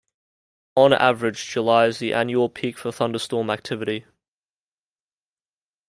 On average, July is the annual peak for thunderstorm activity.